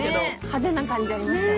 派手な感じ。